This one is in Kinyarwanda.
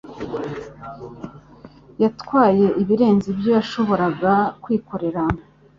Yatwaye ibirenze ibyo yashoboraga kwikorera.